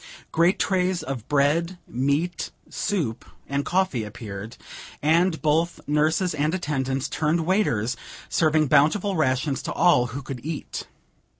Great trays of bread, meat, soup and coffee appeared; and both nurses and attendants turned waiters, serving bountiful rations to all who could eat.